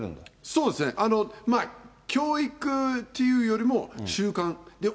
そうですね、教育というよりも、習慣。